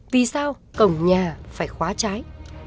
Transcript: vì sao cổng nhà phải khóa cháy